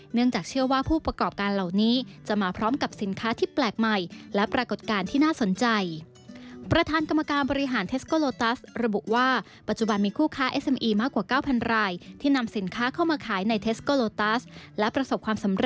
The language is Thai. เนื่องจากเชื่อว่าผู้ประกอบการเหล่านี้จะมาพร้อมกับสินค้าที่แปลกใหม่และปรากฏการณ์ที่น่าสนใจ